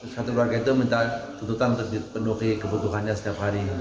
satu keluarga itu minta tuntutan untuk dipenuhi kebutuhannya setiap hari